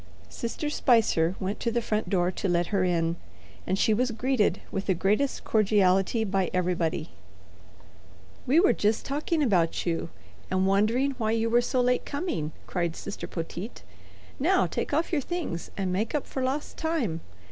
Sister Spicer went to the front door to let her in, and she was greeted with the greatest cordiality by everybody. "We were just talking about you and wondering why you were so late coming," cried Sister Poteet. "Now take off your things and make up for lost time.